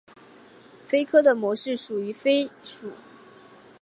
鲱科的模式属为鲱属。